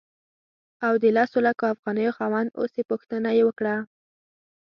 او د لسو لکو افغانیو خاوند اوسې پوښتنه یې وکړه.